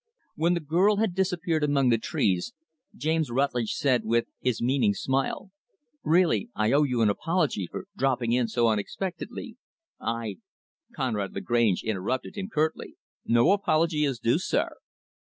When the girl had disappeared among the trees, James Rutlidge said, with his meaning smile, "Really, I owe you an apology for dropping in so unexpectedly. I " Conrad Lagrange interrupted him, curtly. "No apology is due, sir."